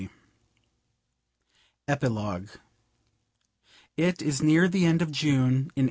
Epilogue It is near the end of June, in 1807.